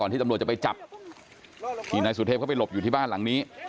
ที่ตำรวจจะไปจับที่นายสุเทพเข้าไปหลบอยู่ที่บ้านหลังนี้